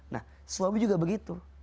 nah suami juga begitu